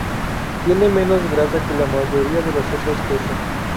Tiene menos grasa que la mayoría de los otros quesos.